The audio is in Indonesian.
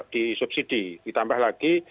disubsidi ditambah lagi